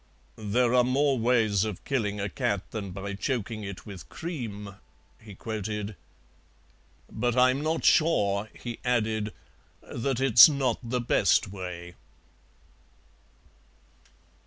"There are more ways of killing a cat than by choking it with cream," he quoted, "but I'm not sure," he added, "that it's not the best way."